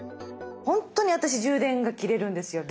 本当に私充電が切れるんですよ